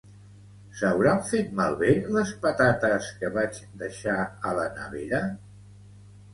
S'hauran fet malbé les patates que vaig deixar a la nevera?